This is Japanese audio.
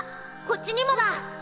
こっちにもだ！